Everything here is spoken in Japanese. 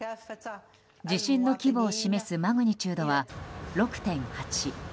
地震の規模を示すマグニチュードは６．８。